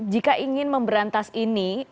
jika ingin memberantas ini